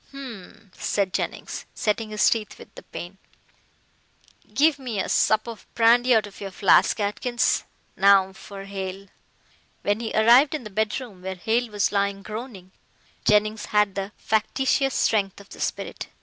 "Humph!" said Jennings, setting his teeth with the pain, "give me a sup of brandy out of your flask, Atkins. Now for Hale." When he arrived in the bedroom where Hale was lying groaning, Jennings had the factitious strength of the spirit.